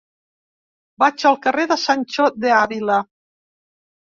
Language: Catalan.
Vaig al carrer de Sancho de Ávila.